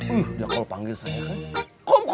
ih dia kalau pake baju kotak kotak kebanggaannya itu